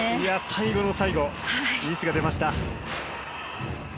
最後の最後ミスが出ました。